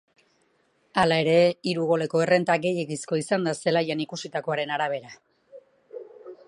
Hala ere, hiru goleko errenta gehiegizkoa izan da zelaian ikusitakoaren arabera.